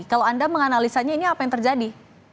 kalau anda menganalisanya ini apa yang terjadi